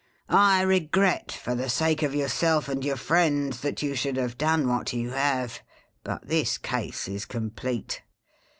I regret, for the sake of yourself and your friends, that you should have done what you have ; but this case is complete.